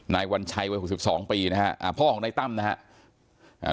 นายวัญชัยวัย๖๒ปีนะครับพ่อของนายตั้มนะครับ